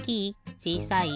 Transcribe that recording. ちいさい？